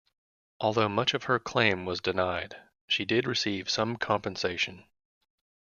Although much of her claim was denied, she did receive some compensation.